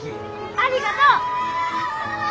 ありがとう！